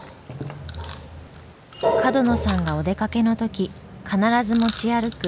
角野さんがお出かけの時必ず持ち歩く